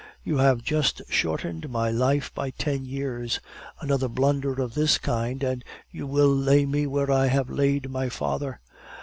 You have just shortened my life by ten years! Another blunder of this kind, and you will lay me where I have laid my father.